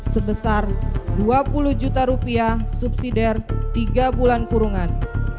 sebesar dua puluh juta rupiah subsidiar tiga bulan kurungan